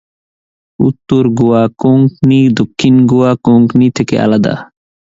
উত্তর গোয়া কোঙ্কনি দক্ষিণ গোয়া কোঙ্কনি থেকে আলাদা।